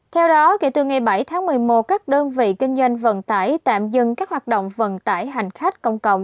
theo đó kể từ ngày bảy tháng một mươi một các đơn vị kinh doanh vận tải tạm dừng các hoạt động vận tải hành khách công cộng